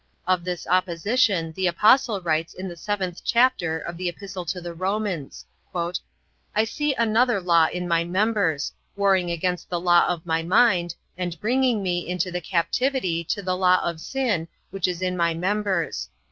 Of this opposition the Apostle writes in the seventh chapter of the Epistle to the Romans: "I see another law in my members, warring against the law of my mind, and bringing me into the captivity to the law of sin which is in my members.